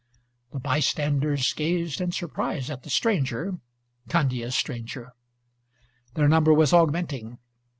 The bystanders gazed in surprise at the stranger, Candia's stranger. Their number was augmenting.